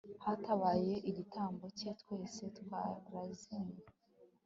hatabayeho igitambo cye, twese twarazimiye